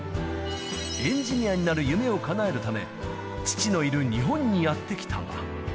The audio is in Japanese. エンジニアになる夢をかなえるため、父のいる日本にやって来たが。